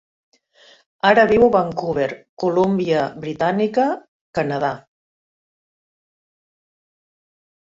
Ara viu a Vancouver, Columbia Britànica, Canadà.